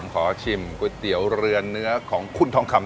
ขอชิมก๋วยเตี๋ยวเรือนเนื้อของคุณทองคำ